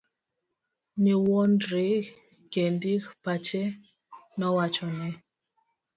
Niwuondri kendi, pache nowachone.